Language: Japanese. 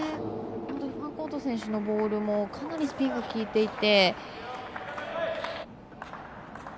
ファンコート選手のボールもかなりスピンが利いていて。